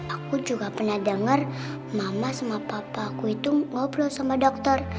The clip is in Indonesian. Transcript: aku juga pernah dengar mama sama papaku itu ngobrol sama dokter